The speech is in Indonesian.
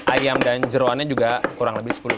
ayam dan jerawannya juga kurang lebih sepuluh kilo